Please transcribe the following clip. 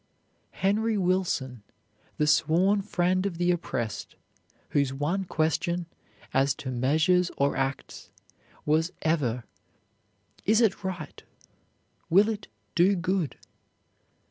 Henry Wilson, the sworn friend of the oppressed, whose one question, as to measures or acts, was ever "Is it right; will it do good?"